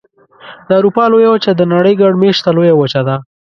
د اروپا لویه وچه د نړۍ ګڼ مېشته لویه وچه ده.